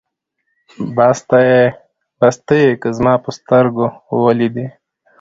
بس ته يې که زما په سترګو وليدې